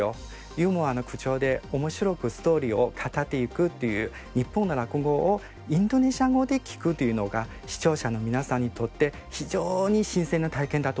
ユーモアな口調で面白くストーリーを語っていくっていう日本の落語をインドネシア語で聞くというのが視聴者の皆さんにとって非常に新鮮な体験だと思います。